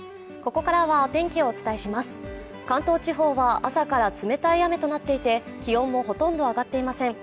ここからはお天気をお伝えします関東地方は朝から冷たい雨となっていて気温もほとんど上がっていません